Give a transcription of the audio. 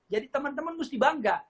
jadi teman teman mesti bangga